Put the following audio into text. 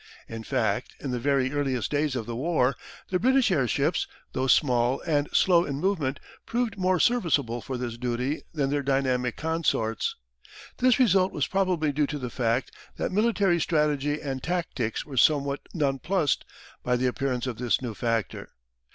In fact in the very earliest days of the war, the British airships, though small and slow in movement, proved more serviceable for this duty than their dynamic consorts. This result was probably due to the fact that military strategy and tactics were somewhat nonplussed by the appearance of this new factor.